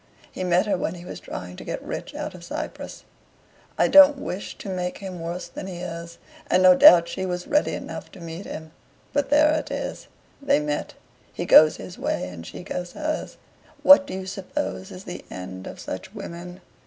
He met her when he was trying to get rich out in Cyprus I don't wish to make him worse than he is, and no doubt she was ready enough to meet him. But there it is. They met. He goes his way and she goes hers. What do you suppose is the end of such women?"